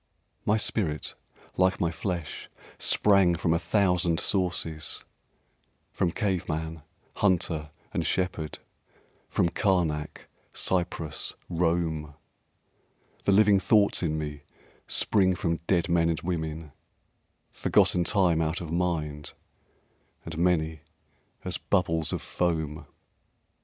My spirit like my flesh Sprang from a thousand sources, From cave man, hunter and shepherd, From Karnak, Cyprus, Rome; The living thoughts in me Spring from dead men and women, Forgotten time out of mind And many as bubbles of foam.